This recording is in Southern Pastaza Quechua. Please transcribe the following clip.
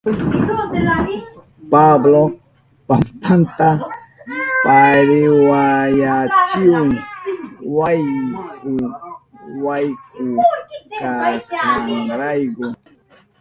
Pablo pampanta parihuyachihun wayku wayku kashkanrayku.